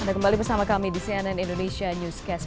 anda kembali bersama kami di cnn indonesia newscast